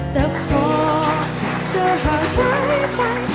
แต่พอเธอห่างหายไป